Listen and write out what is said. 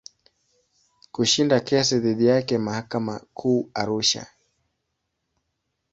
Kushinda kesi dhidi yake mahakama Kuu Arusha.